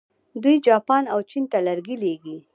دوی جاپان او چین ته لرګي لیږي.